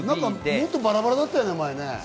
前、もっとバラバラだったよね？